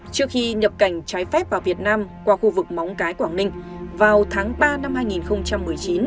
trước khi nhập cảnh trái phép vào việt nam qua khu vực móng cái quảng ninh vào tháng ba năm hai nghìn một mươi chín